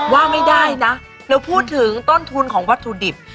ว่าไม่ได้นะแล้วพูดถึงต้นทุนของวัตถุดิบ